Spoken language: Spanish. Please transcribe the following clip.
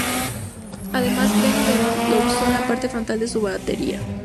Además, Bev Bevan lo usó en la parte frontal de su batería.